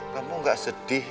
kamu gak sedih